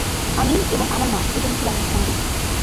আমি এবং আমার মা, আমরা দুজনই ছিলাম নিঃসঙ্গ।